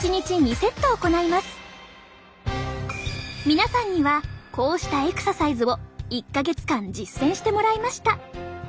皆さんにはこうしたエクササイズを１か月間実践してもらいました。